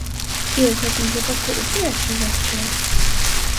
І ў гэтым выпадку ўсё яшчэ лягчэй.